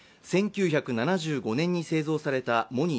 １９７５年に製造されたモニ